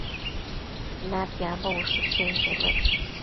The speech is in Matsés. Natiambo ushë chënquedued